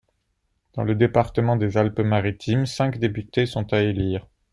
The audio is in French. Dans le département de les Alpes-Maritimes, cinq députés sont à élire.